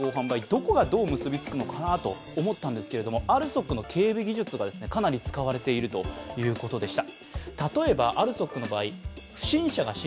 どこがどう結びつくのかなと思ったんですが、ＡＬＳＯＫの警備技術がかなり使われているということでした。